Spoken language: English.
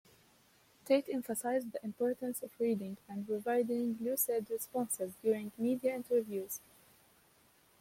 Tate emphasized the importance of reading and providing lucid responses during media interviews.